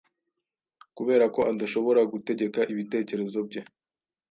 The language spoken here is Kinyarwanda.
kuberako adashobora gutegeka ibitekerezo bye.